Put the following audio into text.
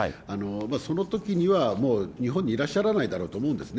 そのときにはもう日本にいらっしゃらないだろうと思うんですね。